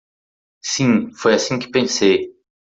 Sim, foi assim que pensei.